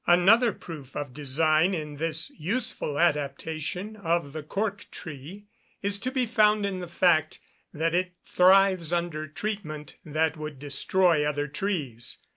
Another proof of design in this useful adaptation of the cork tree is to be found in the fact, that it thrives under treatment that would destroy other trees.